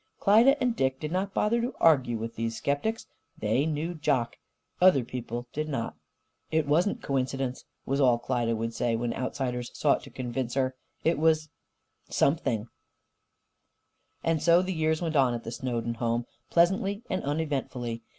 Klyda and Dick did not bother to argue with these sceptics. They knew Jock; other people did not. "It wasn't coincidence," was all Klyda would say when outsiders sought to convince her. "It was Something." And so the years went on at the Snowden home, pleasantly and uneventfully.